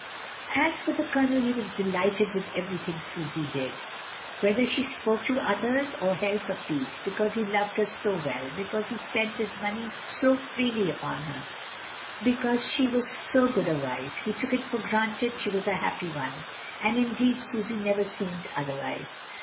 As for the Colonel, he was delighted with every thing Susy did, whether she spoke to others or held her peace. Because he loved her so well, be cause he spent his money so freely upon her, be cause she was so good a wife, he took it for granted she was a happy one, and indeed Susy never seemed otherwise.